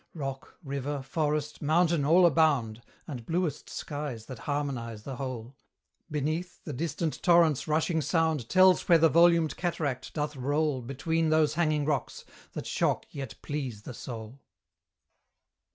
Rock, river, forest, mountain all abound, And bluest skies that harmonise the whole: Beneath, the distant torrent's rushing sound Tells where the volumed cataract doth roll Between those hanging rocks, that shock yet please the soul.